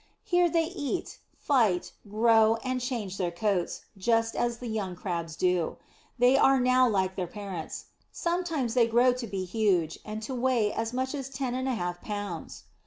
Here they eat, fight, grow and change their coats, just as the young Crabs do. They are now like their parents. Sometimes they grow to be huge, and to weigh as much as ten and a half pounds.